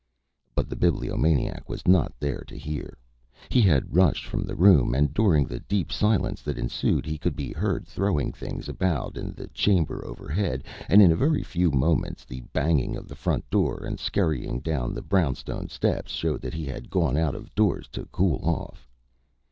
But the Bibliomaniac was not there to hear. He had rushed from the room, and during the deep silence that ensued he could be heard throwing things about in the chamber overhead, and in a very few moments the banging of the front door and scurrying down the brown stone steps showed that he had gone out of doors to cool off.